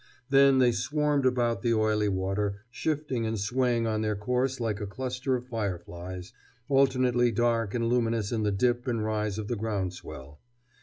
Then they swarmed about the oily water, shifting and swaying on their course like a cluster of fireflies, alternately dark and luminous in the dip and rise of the ground swell.